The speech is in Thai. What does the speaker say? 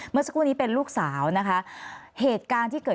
เมื่อสักครู่นี้เป็นลูกสาวนะคะ